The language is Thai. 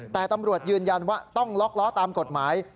แต่ตำรวจยืนยันว่าต้องล็อกล้อตามกฎหมาย